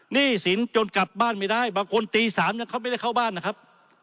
หนี้สินจนกลับบ้านไม่ได้บางคนตี๓เขาไม่ได้เข้าบ้านนะครับ